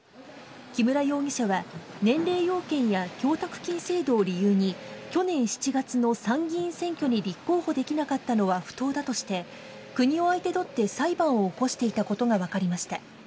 木村容疑者は、年齢要件や供託金制度を理由に、去年７月の参議院選挙に立候補できなかったのは不当だとして、国を相手取って裁判を起こしていたことが分かりました。